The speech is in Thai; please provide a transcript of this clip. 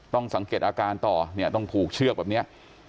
ต้องสังเกตอาการต่อต้องผูกเชือกแบบนี้